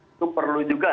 itu perlu juga